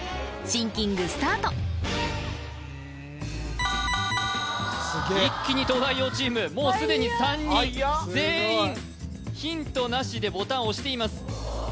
シンキングスタート一気に東大王チームもうすでに３人全員ヒントなしでボタンを押しています